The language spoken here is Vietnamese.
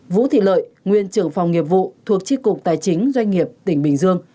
vũ thị lợi nguyên trưởng phòng nghiệp vụ thuộc tri cục tài chính doanh nghiệp tỉnh bình dương